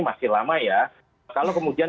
masih lama ya kalau kemudian